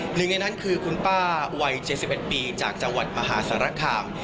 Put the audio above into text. หนึ่งในนั้นคือคุณป้าวัย๗๑ปีจากจังหวัดมหาสารคาม